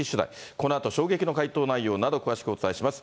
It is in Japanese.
このあと衝撃の回答内容など、詳しくお伝えします。